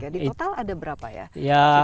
di total ada berapa ya